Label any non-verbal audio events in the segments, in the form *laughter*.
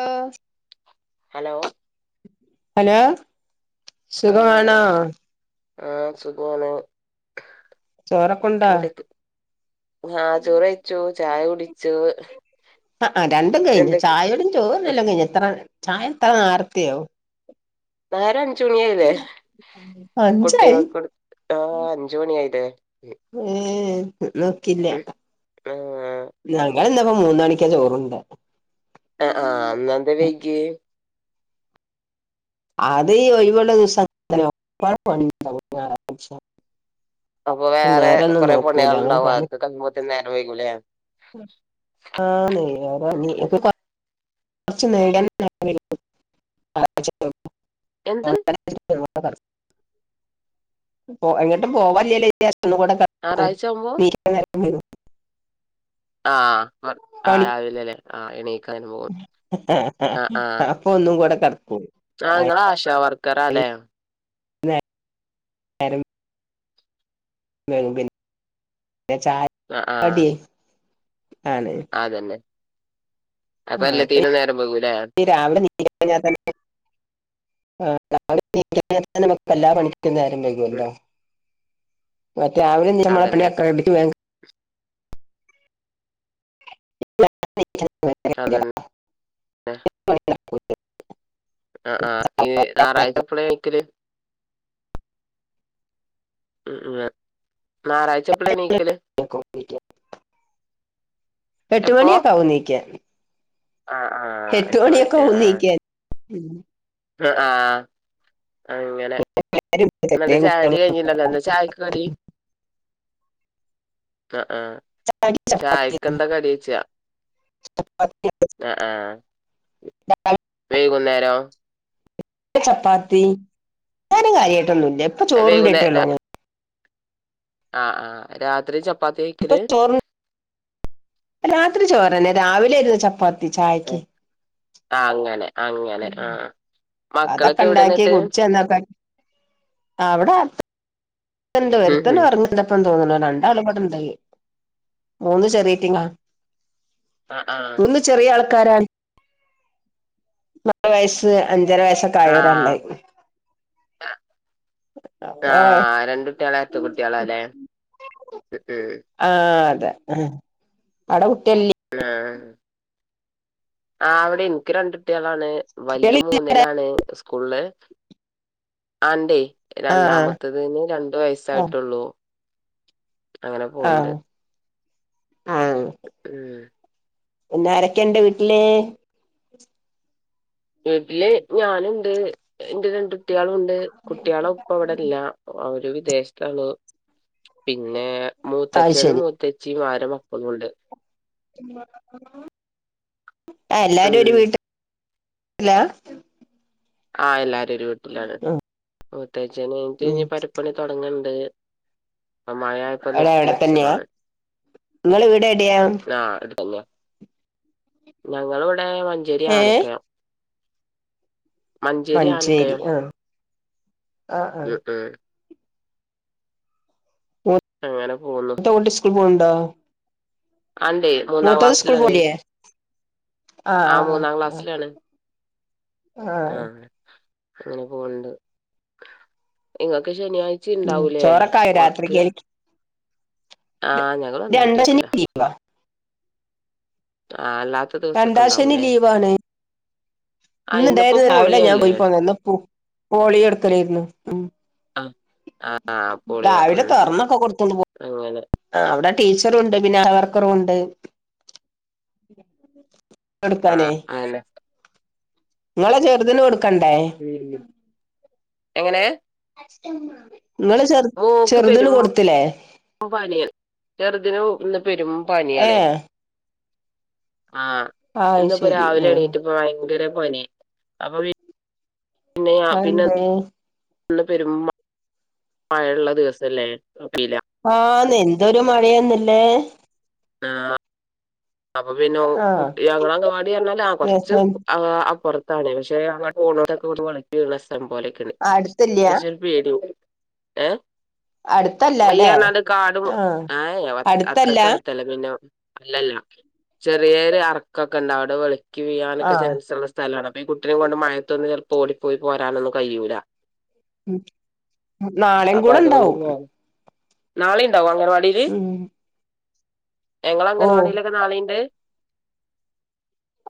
ഓഹ് hello hello സുഖവാണോ? ആഹ് സുഖവാണ് ചോറൊക്കൊണ്ടോ *unintelligible* ആഹ് ചോറെയ്ച്ചു ചായ കുടിച്ചോ? ആഹ് ആഹ് രണ്ടും കഴിഞ്ഞോ ചായുടിം ചോറുന്നലും കഴിഞ്ഞോ ഇത്രെ ചായ ഇത്രെ നേർത്തയോ? ന്നേരം അഞ്ചുമണിയായിലെ അഞ്ചായി കുട്ടികൾക്കൊട്ത്ട്ടൊ അഞ്ച് മണിയായിലെ ഉം ഉം ഇന്നോക്കില്ലെ ഉം, ആ ഞങ്ങള്ന്ന്പ്പം മൂന്ന് മണിക്കാ ചോറുണ്ടെ ആഹ് ആഹ് ഇന്നെന്താ വൈകിയെ അത് ഈ ഒഴിവ്ള്ള ദിവസ *unintelligible* ഒരുപാട് പണിണ്ടാവും ഞാറായ്ച്ച അപ്പൊ വേറെ കൊറെ അങ്ങനെ പണിയാള്ണ്ടാവും പണി അവൊക്കെ കഴിയുമ്പോത്തിന് നേരം വൈക്കുലെ ആന്നേ നേരാണ്ണി ഇന്ക്കൊര് കൊറ് കൊർച്ച് എന്ത് *unintelligible* *inaudible* പൊ എങ്ങട്ടും പോവാല്ല്യല്ലോ *unintelligible* ഒന്നും കൂടെ കട്ക്കും ഞായറാഴ്ച ആവുമ്പോ ന്നീച്ചാൻ നേരം വൈക്കും ആഹ് മട് ആഹ് രാവിലല്ലെ ആഹ് എണീ അപ്പൊ ഒന്നും കൂടെ കട ആഹ് ഇങ്ങള് ആശാ വർക്കറാലെ പിന്നെ നേരം *unintelligible* ചായ കടിയെ ആഹ് അതന്നെ അപ്പൊ ആഹ് ഇപ്പേയ് എല്ലാത്തിനും നേരം വൈകൂലേ ഈ രാവിലെ *unintelligible* കഴിഞ്ഞാ തന്നെ ആഹ് രാവിലെ *unintelligible* എല്ലാ പണിക്കും നേരം ഉം വൈകല്ലോ മറ്റെ രാവിലെ എണീറ്റമ്മളെ അതന്നെ പണിയൊക്കെ റെഡിക്ക് വേം അതന്നെ ആഹ് *unintelligible* ആഹ് ആഹ് ഏഹ് ഞായറാഴ്ച എപ്പളെ എണീക്കല് ഉം ഏഹ് ഞാറായ്ച്ച എപ്പളാ എണീക്കല് എട്ട് എപ്പോ മണിയൊക്കെ ആകും നീക്കാൻ ആ ആ എട്ട് മണി ഹെട്ടുമണിയൊക്കാവു ണീക്കാൻ ഉം ആഹ് അങ്ങനെ എന്നട്ട ചായടി കഴിഞ്ഞില്ലല്ലോ എന്നാ ചായക്ക് കടി അ ആഹ് ചപ്പാത്തി ചായക്കെന്താ കടി യ്ച്ച ന ആഹ് വൈകുന്നേരം ചപ്പാത്തി ഞാനും കാര്യമായിട്ടൊന്നുംല്ല ഇപ്പൊ ചോറുണ്ടിട്ടേള്ളോ ഞൻ ആഹ് ആഹ് രാത്രി ച ഇപ്പൊ ചോറ് രാത്രി ചോറന്നെ രാവിലെ എരുന്നു ചപ്പാത്തി ചായക്ക് ആഹ് അങ്ങനെ അങ്ങനെ ഉം.... ആ ആ. മക്കളൊക്കെ എവിടെ അതൊക്കെണ്ടാക്കി എന്നിട്ട് കുടിച്ചപ്പൊക്ക് അവിടെ എന്ത് ഉം വരുത്ത ഉം. പറഞ്ഞന്തപ്പ തോന്നണ രണ്ടാള്ബ്ടെ ഉണ്ടായിനി മൂന്ന് ചെറിയറ്റിങ്ങ ആ ആ ന്ന് ചെറിയാൾക്കാരാണ് നാല് വയസ്സ് അഞ്ചര വയസ്സൊക്കെ ആയവരള്ളേര്ന്നു ആഹ ആഹ രണ്ട കുട്ടികളെ എത്ത കുട്ടികള അല്ലേ അവി കുട്ടി ആഹ ആ അവിടെ എനിക്ക് രണ്ട കുട്ടികളാണ് വലുത കുട്ടികളി മൂന്നിലാണ് സ്കൂളില് അന്റെ ആഹ് രണ്ടാമത്തത്ന് രണ്ടു ആഹ് വയസ്സായിട്ടുള്ളൂ അങ്ങനെ പോവ്ണ്ട് ആഹ് എന്ന ആരൊക്കെ ഇണ്ട് വീട്ടില് വീട്ടില് ഞാനുണ്ട് എന്റെ രണ്ട കുട്ടികളും ഉണ്ട് കുട്ടികളോ ഇപ്പ അവിടെല്ല അവര് വിദേശത്താണ് പിന്നെ അത് മൂത്തച്ഛനും ശരി മൂത്തച്ച്ചിയും ആരും മക്കളുണ്ട് ആ എല്ലാരും ഉം ഒരു വീട്ടിൽ ഇല്ല ആഹ എല്ലാരും ഒരു വീട്ടിലാണ് പ്രത്തേച്ചന് എ ഉം ക പരിപ്പണി തുടങ്ങണ്ട് അപ്പ മഴപ്പോ അവിടെ നിർത്തി എവിടെ തന്നെയാ വെച്ചതാണ് നിങ്ങള് വീട് എവിടെയാ ആഹ അത് തന്നെയ ഞങ്ങളി ഇവിടെ മഞ്ചേരി ഏഹ് ആനക്കയം മഞ്ചേരി ആഹ ആഹ ആഹ ഉം ഉം അങ്ങനെ പോവുന്നു എന്ത ഓട്ട സ്കൂൾ പോണണ്ടാ അണ്ട്േ മൂന്നാം ക്ാസ്ിലന ആഹ് ആ ആഹ് മൂന്നാം ക്ലാസ്സിലാണ് ആഹ് ആ ആഹ് അങ്ങനെ പോണ്ട് ഒക്കെ ശനിയാഴ്ച ഉം ഉണ്ടാവൂലേ ചോറൊക്കായോ വർക്ക് ആഹ് ഞങ്ങള് ദ ഒന്നായിട്ട് അണ്ടാച്ച വെക്കലാ ന വ ആ അല്ലാത്ത ദിവസൊക്കെ ഉണ്ടാവൂല്ലേ ഇ ഇണ്ടായിരുന്നു രാവിലെ ഞാൻ പോയി പോന്നന്ന് പോളി എടുക്കലായിരുന്നു ഉ ആഹ് ആഹ് പോളിയോ രാവിലെ ഉം തറന്നൊക്കെ കൊടുത്തോണ്ട് പോ അങ്ങനെ ആ അവിടെ ടീച്ചറുണ്ട് ബന വർക്കറുണ്ട് ആ അെ നിങ്ങളെ ചെറുതിന്െ കൊടുക്കണ്ടേ ഉം. എങ്ങനെ നിങ്ങള് ചെറു മോക്ക് ചെറുതന് പെരും കൊടുത്തില്ലേ പനിയാണ് ചെറുതിന് ഇന്ന് പെരും പനിയണേ ഏഹ് ആഹ അയ് ഇന്നിപ്പോ ശരി രാവിലെ ആഹ് എണീട്ട ഇപ്പ ഭയങ്കര പനെ അപ്പൊ അേ ഒ പെരുമ്പ മഴള്ള ദിവസല്ലേ അറിയില്ല ആഹ് എന്തൊരു മഴയൊന്നില്ലേ ആ അപ്പൊ പിന്നെ ആഹ് കുട്ടി അങ്ങ അംഗവാടി പറഞ്ഞാലേ കൊറച്ച്റത്ത് പക്ഷെ അങ്ങ ഓണൊക്കെ വളക്കണ സ്ലം പോലൊക്കെയാണ് അടുത്തില്ല പക്ഷെ പേട ഏ അടുത്തല്ല അല്ലേ വയ്യറനാട് കാട് ആഹ് ഏ അടുത്തല്ല അത്രക്കെ എടുത്തല്ല പിന്നെ അല്ലല്ല ചെറിയൊരു അറക്കൊക്കെ ഉണ്ട് അവിടെ വെളിക്ക് വീ്യാനൊക്കെ ആഹ് ചാൻസള്ള സ്ഥലാണ് അപ്പ ഈ കുട്ടിനെ കൊണ്ട് മഴയത്തൊന്ന് ചെറപ്പോ ഓടിപ്പോയി പോരാനൊന്ന കഴൂല്ല നാളെയും കൂടെ ഇണ്ടാവും നളെയുംണ്ടാക അങ്ങരു വാടൽ ഞങ്ങ ഓ അംഗൻവാടിയിലൊക്കെ നാളെയണ്ട്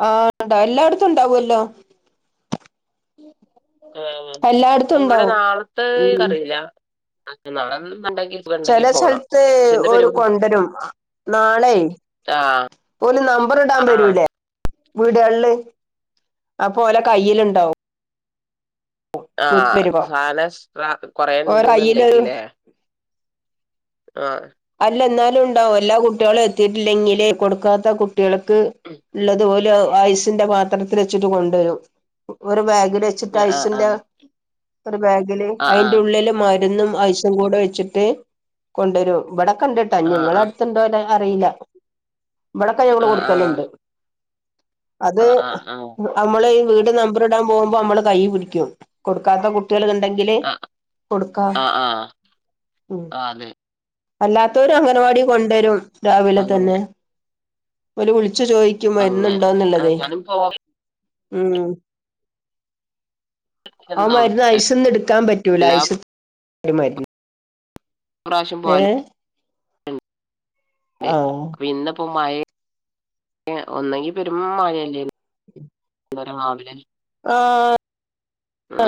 ആഹണ്ട എല്ലായിടത്തും ഉണ്ടാവല്ലോ ആ ഇവിടെ നാളത്തെ ഉം അറിയില്ല നാളണ്ട ചില സ്ഥലത്ത് ഒരു കൊണ്ടരും നാളെ ആഹ് പോലും നമ്പർ ഇടാൻ ആഹ് പരൂലേ വീട്കളില് അപ്പോലെ കയ്യിലിണ്ടാവും ആഹ് സാന എസ്ട്ര കൊറേ ഓരെ കയ്യിലൊരു ഇണ്ട്ന്ന്ണ്ടെങ്കിലേ ആഹ് ഇല്ല ന്നാലുണ്ടാവും എല്ലാകുട്ടികളും എത്തീട്ടില്ലെങ്കിലെ കൊടുക്കാത്ത കുട്ടികള്ക്ക് ഇള്ളതുപോ ല് ഐസിൻ്റെ പാത്രത്തിലെച്ചിട്ട് കൊണ്ടോരും ഒ ഒര് ബാഗി വെച്ചിട്ട് ആഹ് ഐസിൻ്റെ ആഹ് ഒര്ബാഗില് ആഹ് അയ്ൻ്റുള്ളില് മര് ന്നും ഐസും കൂടെ വെച്ചിട്ട് കൊണ്ടൊരും ഇവിടെ കണ്ടിട്ടാ നി ആഹ് ആഹ് ഇങ്ങളടുത്ത്ണ്ടോടെ അറിയില്ല ഇവിടെക്കെ ഞങ്ങള് ആഹ് കൊടുക്കല്ണ്ട് ആഹ് അത് ആഹ് ആഹ് അമ്മള് ഈ വീട് നമ്പറിടാൻ പോമ്പോ അമ്മള് കൈ പിടിക്കും കൊടുക്കാത്ത കുട് ട്ടീകള് കണ്ടെങ്കിലേ ആഹ് ആഹ് കൊടുക്കാം ആഹ് ആഹ് ഉം ആഹ് അതെ അല്ലാത്തോരു അങ്കനവാടീ കൊണ്ടാരും അങ്ങ് രാവിലെത്തന്നെ ഓര് വിള് ച്ചു ചോയ്ക്കും അങ്ങനെ വരുന്നുണ്ടോന്നുള്ളതെ ഞാനും ഊം ആ പോവലില്ലെന്നും മരുന്ന് ഐസൊന്നെടുക്കാൻ പറ്റൂല എല്ലാ ആയ്സ്സ് *unintelligible* മരുന്ന് പ്രാശ്യം പോആലോ ഏഹ് ലേ ആഹ് അപ്പൊ ഇന്നപ്പോ മയേ ഏഹ് ഒന്നെങ്കി പെരും മഴല്ലേനിയോ വ്ടെ രാവിലെ ആഹ്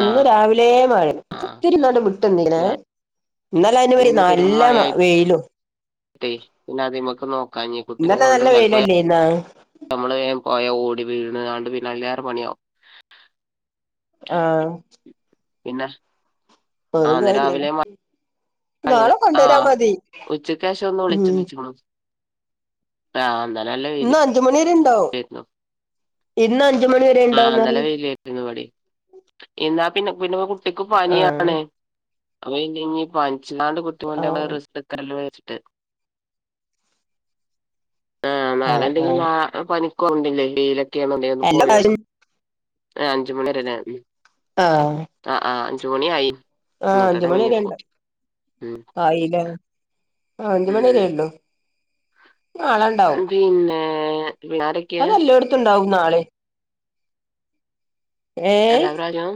അന്ന് ആഹ് രാവിലേ മഴ *unintelligible* ആഹ് കിട്ടുന്നീല എ ഇന്നാലെ അയിൻ വരി നല്ല മ വെയ്ലും ട്ടേ പിന്നെ അതിമക്ക് നോക്കാഞ്ഞെ കുട്ടിനെ ഇന്നലെ കൊണ്ട് നല്ല ചെൽപ്പെ വെയിലല്ലേന്നാ നമ്മള് പോയാ ഓടി വീണതാണ്ട് പിന്നെ അയ്ലേറെ പണിയാവും ആഹ് പിന്നെ അതൊന്നും ആയില്ല അയ്ൻ ആഹ് ആ ഉച്ചക്കേശം ഒന്ന് വെളിച്ചം ഉം വെച്ചിക്ണ് പ്രാന്തൻ ഇന്ന് അഞ്ച് മണിവരേ ഇൻ ണ്ടാവും ഇന്നഞ്ചുമണി ആ ഇന്നലെ വരേണ്ടാവോന്നറിയി നാ പിന്നെ *unintelligible* കുട്ടിക്ക് പനിയാണ് *unintelligible* പ ചിക്കാണ്ട് ആഹ് *unintelligible* ആഹ് നാളെ ഇണ്ടെങ്കിൽ *unintelligible* എല്ലാ പ്രാവശ്യം പോയൊക്കണം ആഹ് അഞ്ച്മണി വരേ ലെ മ് ആഹ് ചോണി ആയി ആ അഞ്ചുമണ്യരെണ്ട് ഉം ആയില്ലേ ആഹ് ഉം. അഞ്ചുമണ്യരേ ഒള്ളു നാളെണ്ടാവും പിന്നെ പിന്നെ ആരൊക്കെയാ അതെലോട്ത്തു ണ്ടാവും നാളെ ഏഹ് എല്ലാ പ്രാവശ്യോം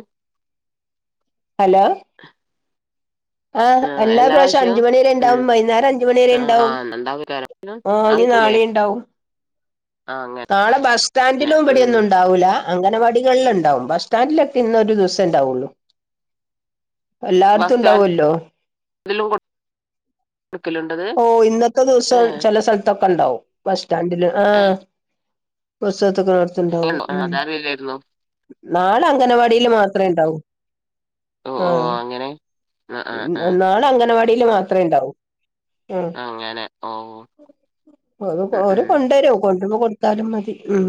ഹലോ ആഹ് എല്ലാ പ്രാവശ്യ അഞ്ച് മണ്യരേണ്ടാവും വൈന്നാരം അഞ്ച് ആഹ് മണ്യരേണ്ടാവും ആഹ് ഉണ്ടാവക്കാരം ഓ ആഹ് ഇഞ് കേൾക്കണില്ലേ നാളിണ്ടാവും ആഹ് അങ്ങനെ നാളെ ബസ്സ്സ്റ്റാൻഡിലും ഉം ഇബടെന്നുണ്ടാവൂല അങ്കനവാടികളില്ണ്ടാവും ബസ് സ്റ്റാൻഡിലൊക്കെ ഇന്ന് ഒരു ദിവസേ ണ്ടാവൊള്ളു. എല്ലാട്ത്തുണ്ടാവല്ലോ അതിലും കൊ ഓഹ് ഇന്നത്തെ ദിവസം ചെല സ്ഥൽത്തൊക്കെണ്ടാവും ബസ് സ്റ്റാൻഡില് ആഹ് ഏഹ് ബസ്സാത്ത്ക്കണോട്ത്ത്ണ്ടാവും ഉം അതറിയില്ലായിരുന്നു നാളെ അംങ്കനവാടില് മാത് ത്രേണ്ടാവൂ ഓ ഓ ആഹ് അങ്ങനെ ആഹ് ആഹ് ഉം ആഹ് നാളെ അംങ്കനവാടില് മാത്രേ ണ്ടാവൂ ഏഹ് അങ്ങനെ ഓ *unintelligible* ഉം ഓര് ഉം കൊണ്ടേരും കൊ *unintelligible* കൊട്ത്താലും മതി ഉം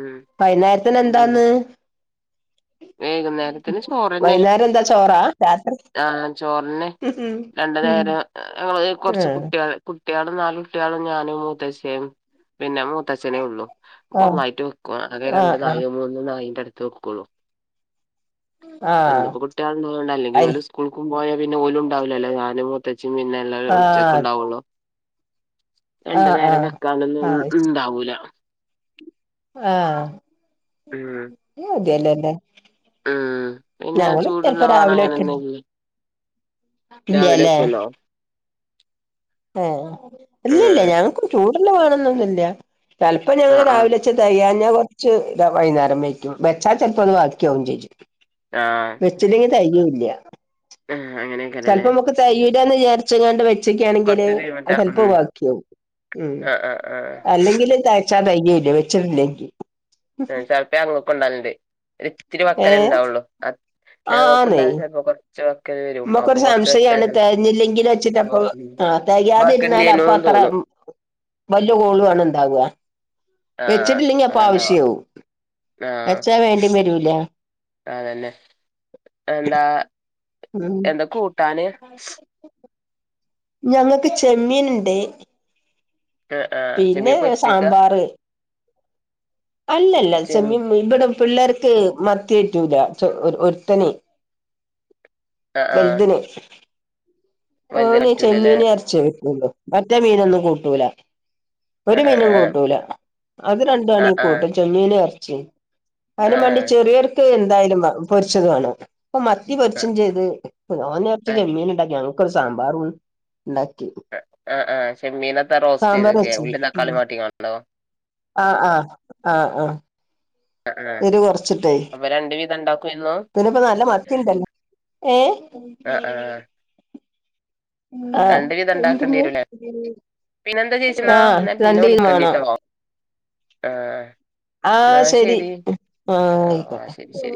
ഉം വൈ ഉം ന്നാരത്തിനെന്താന്ന് വൈകുന്നേരത്തിന് ചോറെന്നെ വൈകുന്നേരം എന്താ ചോറാ രാത്രി ആഹ് ചോറെന്നെ ഉം രണ്ട് ഉം നേരം ഞങ്ങള് ആ കൊർച്ച് കുട്ട്യോള് കു കുട്ട്യാളും നാല് കുട്ട്യാളും ഞാനും മൂത്തച്ചിം പിന്നെ മൂത്തച്ഛനേ ഒള്ളൂ ആ ഒന്നായിട്ട് വെക്കും ആകെ ആ രണ്ട് നായോ മൂന്ന് നായിൻ്റട്ത്ത് ക്കെ ക്കൊള്ളൂ ആഹ് ഇന്ന്പ്പോ കുട്ട്യാള് ള്ളതോണ്ട അല്ലെങ്കി ഓല് സ്കൂൾക്കും പോയാ പിന്നെ ഓലു ണ്ടാവൂല്ലല്ലോ ഞാനും മൂത്തച്ചിം പിന്നെ എല്ലാരു ഉച്ചെ ആ ച്ചെക്ക്ണ്ടാവൊള്ളൂ രണ്ട് ആഹ് നേരം ആഹ് വെക്കാനൊന്നും ഇണ്ടാവൂലാ പാ ഊം *unintelligible* ലേന്റെ പിന്നെ ഞങ്ങള് ചൂടുള്ള ചെൽപ്പാെ വേണം രാവിലെ വെക്കും അങ്ങനെയൊന്നുല്ല രാവിലെ വെക്ക്വല്ലോ ആഹ് ഇല്ലില്ല്യാ ഉം ഞങ്ങക്കാെന്നും ചൂട്ള്ളെ വേണന്നൊന്നുല്ല്യാ ചെൽപ്പം ആഹ് ഞങ്ങള് ആഹ് രാവിലെ വെച്ചെ തെയാൻ ഞ്ഞാ കൊർച്ച് താ വൈന്നാരം വെയ്ക്കും വെച്ചാ ചെൽപ്പത് ബാക്ക്യാവും ചെജ്ജും ആഹ് വെച്ചില്ലെങ്കി തെയൂല്യാ ആഹ് അങ്ങനെയൊക്കെയാണല്ലേ ചെൽപ്പം മ്മക്ക് തെയ്യൂല്ലാന്ന് ചാര്ച്ച്ങ്ങാണ്ട് വെ ച്ചെക്ക്യാണെങ്കില് കൊറച്ച് തീമട്ട അത് ഉം ചെൽപ്പം വാക്കിയാവും ഉം ആഹ് ആഹ് ആഹ് അല്ലെങ്കില് താ ര് ച്ചാതെയ്യൂല്ല്യാ വെച്ച്ട്ടില്ലെങ്കി ഉം ചെൽപ്പം ഞങ്ങൾക്കുംണ്ടാവൽണ്ട് ഒരിത്തിരി ഏഹ് വക്കലെണ്ടാവാെള്ളു അ ആന്നേ ഞങ്ങക്കുണ്ടാൽണ്ട് ചെൽപ്പം കൊർ മ്മക്കൊരു സംശയാണ് തെയെഞ്ഞില്ലെങ്കിലാെച്ചിട്ട് ചെലപ്പോ അപ്പൊ ആഹ് തെയാതിര്ന്നാല് അപ്പൊ വക്കലില്ലേനൂന്ന് അത്രെ തോന്നും വല്യ കോളു ആണ് ണ്ടാവാ ആഹ് വെച്ചിട്ടില്ലെങ്കി അപ്പ അതാണ്ടാവാ ആവശ്യാവും ആഹ് വെച്ചാ വേണ്ടിം വരൂല അതെന്നെ എന്താ ഉം എന്താ കൂട്ടാന് ഞങ്ങക്ക് ചെമ്മീന്ണ്ട് ആഹ് ആഹ് ചെമ്മീൻ പിന്നെ പൊരിച്ചക്കാ സാമ്പാറ് അല്ലല്ലാ ചെമ്മ് ചെമ്മീം ഇബ്ടെ പിള്ളേർക്ക് മത്തി പെറ്റൂല ചൊ ഒര് ഒര്ത്തന് ആഹ് ആഹ് വൽത്‌ന് വലുതിന് ഓന് പറ്റൂലല്ലേ ചെമ്മീനും എറച്ച്യേ കയ്ക്കൊള്ളൂ മറ്റേ മീനൊന്നും കൂട്ടൂലാ ഒര് ആഹ് മീനും ആഹ് കൂട്ടൂലാ അത് രണ്ടു ആണേ ആഹ് ആഹ് കൂട്ടും ചെമ്മീനും എർച്ചിം അതിനു മാണ്ടി ആഹ് ചെറിയർക്ക് എന്തായാലും വാ പൊരിച്ചത് വേണം ഇപ്പം മത്തി പൊരിച്ചും ആഹ് ചെയ്ത് ഓന് കൊറച്ച് ആഹ് ചെമ്മീനും ഉണ്ടാക്കി ഞങ്ങക്കൊരു സാമ്പാറും ഉണ്ടാക്കി ആഹ് ആഹ് ചെമ്മീനത്താ റോസ്റ്റ് സാമ്പാർ ചെയ്തക്കെ വെച്ച് ഉള്ളീം തക്കാളീം വാട്ടിക്കാണ്ടോ ആഹ് ആഹ് ആഹ് ആഹ് അഹ് ആഹ് അപ്പൊ രണ്ട് വിധം ഇണ്ടാ പിന്നപ്പോ നല്ല മത്തിയിണ്ടല്ലോ ഏഹ് ആഹ് ആഹ് ആഹ് രണ്ട് വിധം ഇണ്ടാക്കേണ്ടിവരൂല്ലേ പിന്നെന്താ ചേച്ചീന്നാ ആഹ് ന്നെ രണ്ട് കിലോ വേണം വിളിക്കേണ്ടിട്ടോ ആഹ് ആഹ് ശരി ആഹ് ആയിക്കോട്ടെ ശരി ശരി